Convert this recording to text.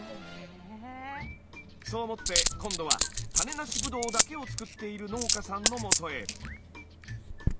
そう思って今度は種なしブドウだけを作っている農家さんのもとへ。